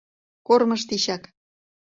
Кормыж тичак